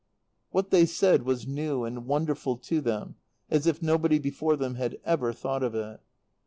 What they said was new and wonderful to them as if nobody before them had ever thought of it.